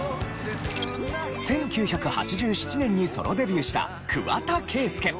１９８７年にソロデビューした桑田佳祐。